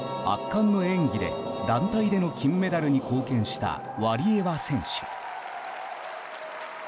圧巻の演技で団体での金メダルに貢献したワリエワ選手。